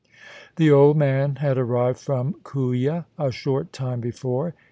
The old man had arrived from Kooya a short time before.